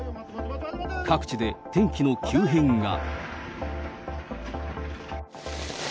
各地で天気の急変が。